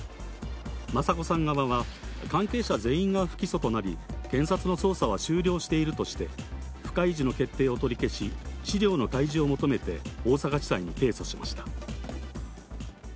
雅子さん側は、関係者全員が不起訴となり、検察の捜査は終了しているとして、不開示の決定を取り消し、資料の開示を求めて大阪地裁に提訴しました。